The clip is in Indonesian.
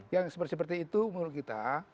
yang seperti itu menurut kita